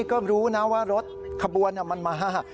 ก็รู้นะว่ารถขบวนมันมา